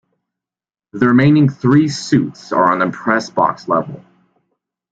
The remaining three suites are on the Press Box level.